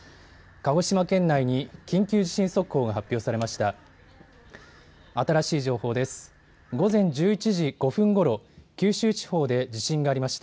鹿児島県内に緊急地震速報が発表されました。